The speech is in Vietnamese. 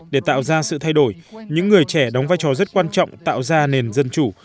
để tạo ra sự thay đổi những người trẻ đóng vai trò rất quan trọng tạo ra nền dân chủ